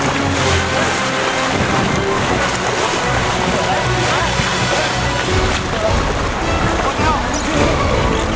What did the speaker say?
อันนี้ก็คือพูดมาแล้วโปรดนะครับวิทยาลัยพูดหมดแล้วนะครับ